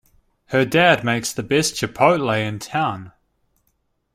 Her dad makes the best chipotle in town!